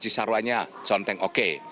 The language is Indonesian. cisarwanya conteng oke